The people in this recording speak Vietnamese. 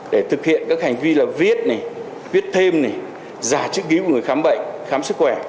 để thực hiện các hành vi là viết này viết thêm này giả chữ ký của người khám bệnh khám sức khỏe